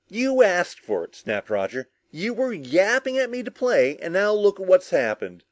"You asked for it," snapped Roger, "you were yapping at me to play, and now look what's happened!"